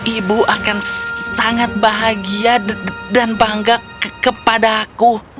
ibu akan sangat bahagia dan bangga kepadaku